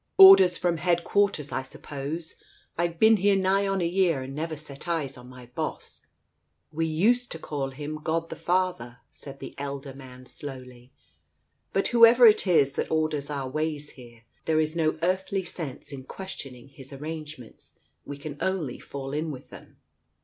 Orders from headquarters, I suppose ? I've been here nigh on a year and never set eyes on my boss !" "We used to call him God the Father," said the elder man slowly. ... "But whoever it is that orders our ways here, there is no earthly sense in questioning His arrangements, we can only fall in with them.